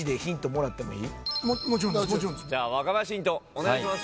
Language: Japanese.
お願いします。